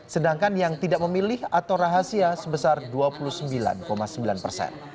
sedangkan yang tidak memilih atau rahasia sebesar dua puluh sembilan sembilan persen